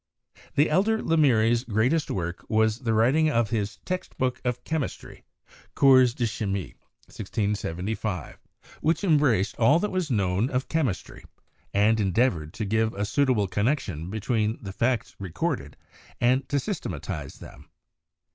The elder Lemery's greatest work was the writing of his text book of chemistry, 'Cours de Chimie' (1675), which em braced all that was known of chemistry, and endeavored to give a suitable connection between the facts recorded, and to systematize them.